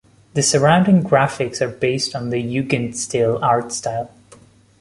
The surrounding graphics are based on the Jugendstil artstyle.